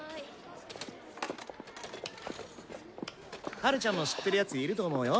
ハルちゃんも知ってる奴いると思うよ。